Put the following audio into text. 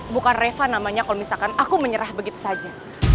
bukan reva namanya kalau misalkan aku menyerah begitu saja